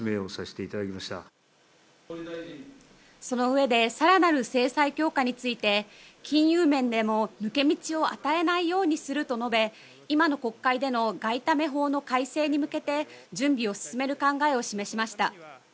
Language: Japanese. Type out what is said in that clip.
そのうえで更なる制裁強化について金融面でも抜け道を与えないようにすると述べ今の国会での外為法の改正に向けて準備を進める考えを示しました。